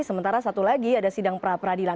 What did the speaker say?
sementara satu lagi ada sidang pra peradilan